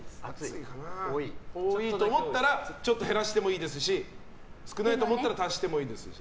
多いと思ったらちょっと減らしてもいいですし少ないと思ったら足してもいいですし。